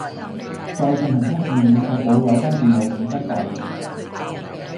再進行測試以確保有關電路已不帶電